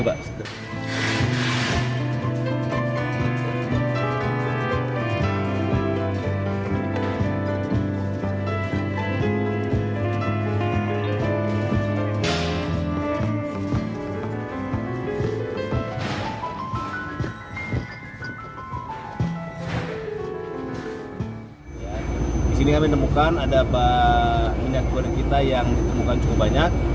di sini kami temukan ada minyak goreng kita yang ditemukan cukup banyak